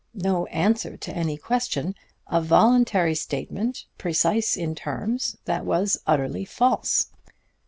No answer to any question. A voluntary statement, precise in terms, that was utterly false.